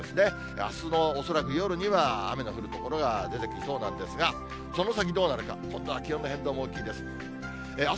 あすの恐らく夜には、雨の降る所が出てきそうなんですが、その先どうなるか、今度は気温の変動が大きいです。